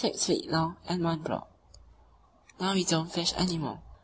six feet long and one broad. Now we don't fish any more.